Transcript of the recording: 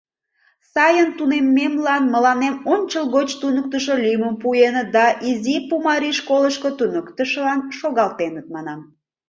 — Сайын тунеммемлан мыланем ончылгоч туныктышо лӱмым пуэныт да Изи Пумарий школышко туныктышылан шогалтеныт, манам.